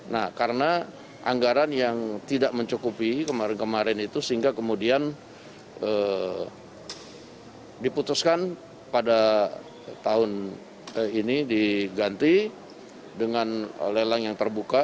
nah karena anggaran yang tidak mencukupi kemarin kemarin itu sehingga kemudian diputuskan pada tahun ini diganti dengan lelang yang terbuka